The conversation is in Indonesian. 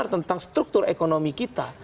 tentang struktur ekonomi kita